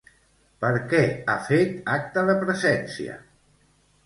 Per què ha fet acte de presència?